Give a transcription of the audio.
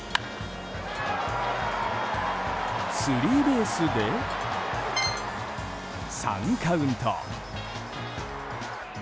スリーベースで３カウント。